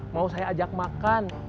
mau saya ajak makan